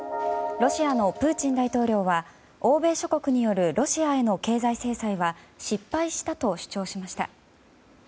ロシアのプーチン大統領は欧米諸国によるロシアへの経済制裁は失敗したと主張しました。